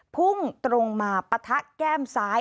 พุ่งตรงมาปะทะแก้มซ้าย